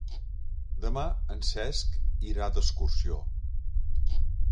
Demà en Cesc irà d'excursió.